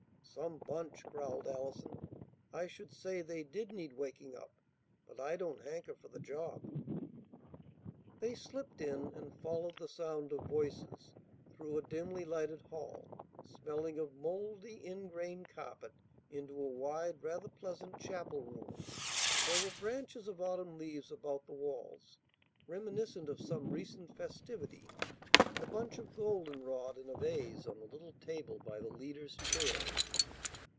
"Some bunch!" growled Allison. "I should say they did need waking up, but I don't hanker for the job." They slipped in, and followed the sound of voices, through a dimly lighted hall, smelling of moldy ingrain carpet, into a wide, rather pleasant, chapel room. There were branches of autumn leaves about the walls, reminiscent of some recent festivity, and a bunch of golden rod in a vase on the little table by the leader's chair.